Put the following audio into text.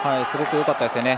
すごくよかったです。